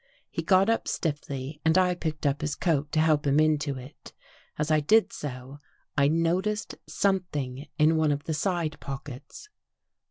He got up stiffly and I picked up his coat to help him into it. As I did so, I noticed some thing in one of the side pockets.